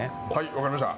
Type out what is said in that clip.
分かりました。